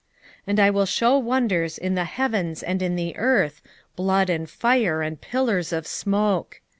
2:30 And I will shew wonders in the heavens and in the earth, blood, and fire, and pillars of smoke.